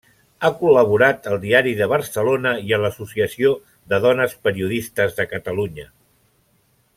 Ha col·laborat al Diari de Barcelona i a l'Associació de Dones Periodistes de Catalunya.